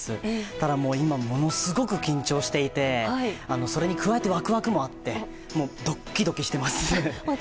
ただ、今ものすごく緊張していてそれに加えてワクワクもあってドキドキしています。